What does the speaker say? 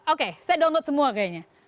oke saya download semua kayaknya